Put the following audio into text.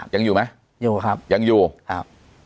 ยังอยู่ไหมยังอยู่ครับ